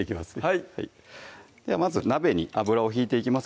はいではまず鍋に油を引いていきます